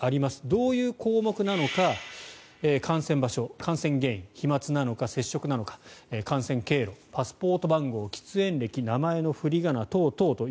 どういう項目なのか感染場所、感染原因飛まつなのか接触なのか感染経路、パスポート番号喫煙歴、名前の振り仮名等々